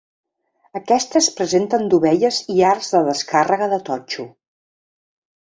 Aquestes presenten dovelles i arcs de descàrrega de totxo.